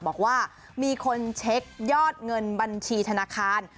บอกว่ามีคนเช็คยอดเงินบัญชีธนาคาร